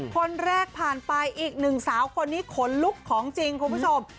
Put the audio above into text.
คนแรกผ่านไปอีกหนึ่งสาวคนนี้ขนลุกของจริงคุณผู้ชม